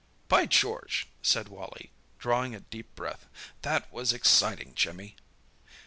"By George!" said Wally, drawing a deep breath. "That was exciting, Jimmy!"